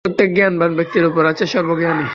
প্রত্যেক জ্ঞানবান ব্যক্তির উপর আছে সর্বজ্ঞানী।